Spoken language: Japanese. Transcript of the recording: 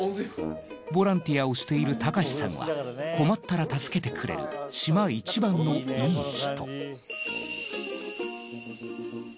ボランティアをしている孝さんは困ったら助けてくれる島いちばんのイイ人。